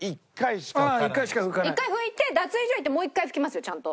１回拭いて脱衣所行ってもう１回拭きますよちゃんと。